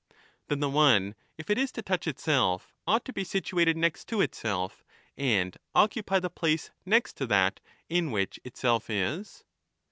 Then the one, if it is to touch itself, ought to be situated next to itself, and occupy the place next to that in which itself is